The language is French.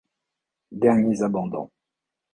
Derniers abandons.